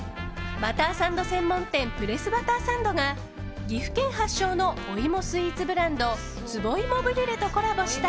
バターサンド専門店ＰＲＥＳＳＢＵＴＴＥＲＳＡＮＤが岐阜県発祥のお芋スイーツブランド壺芋ブリュレとコラボした